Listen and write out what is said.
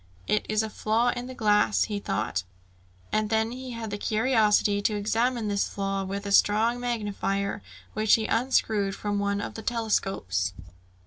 "It is a flaw in the glass," he thought. And then he had the curiosity to examine this flaw with a strong magnifier which he unscrewed from one of the telescopes.